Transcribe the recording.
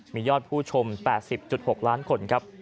มียอดผู้ชม๘๐๖ล้านคน